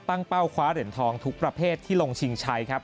เป้าคว้าเหรียญทองทุกประเภทที่ลงชิงชัยครับ